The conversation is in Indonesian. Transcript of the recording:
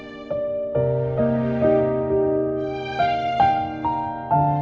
aku gak bisa tidur semalaman